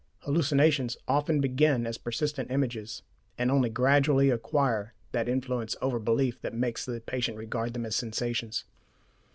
Hallucinations often begin as persistent images, and only gradually acquire that influence over belief that makes the patient regard them as sensations.